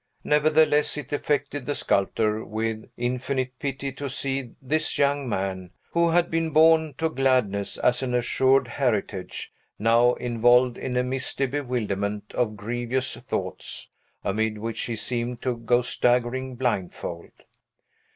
Nevertheless, it affected the sculptor with infinite pity to see this young man, who had been born to gladness as an assured heritage, now involved in a misty bewilderment of grievous thoughts, amid which he seemed to go staggering blindfold.